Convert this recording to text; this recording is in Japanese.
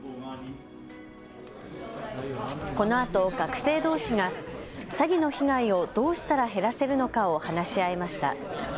このあと学生どうしが詐欺の被害をどうしたら減らせるのかを話し合いました。